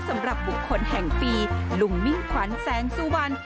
สำหรับบุคคลแห่งปีลุงมิ่งขวัญแสงสุวรรณ